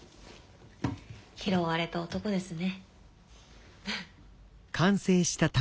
「拾われた男」ですね。